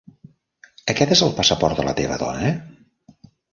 Aquest és el passaport de la teva dona?